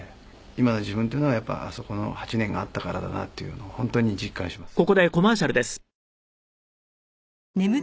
今の自分っていうのはやっぱりあそこの８年があったからだなっていうのを本当に実感します。